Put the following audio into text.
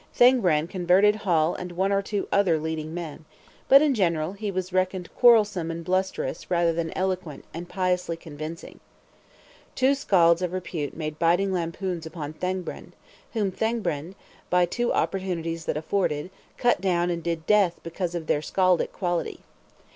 Thangbrand converted Hall and one or two other leading men; but in general he was reckoned quarrelsome and blusterous rather than eloquent and piously convincing. Two skalds of repute made biting lampoons upon Thangbrand, whom Thangbrand, by two opportunities that offered, cut down and did to death because of their skaldic quality.